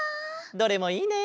どれもいいね！